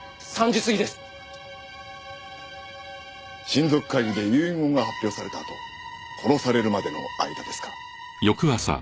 親族会議で遺言が発表されたあと殺されるまでの間ですか。